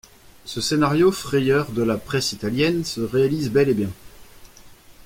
Ce scénario, frayeur de la presse italienne, se réalise bel et bien.